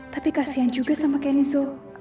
tapi kasihan juga sama kenzo